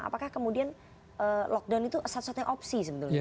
apakah kemudian lockdown itu satu satunya opsi sebetulnya